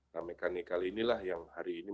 nah mekanikal inilah yang hari ini